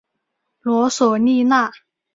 罗索利纳。